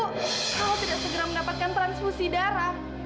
kalau tidak segera mendapatkan transfusi darah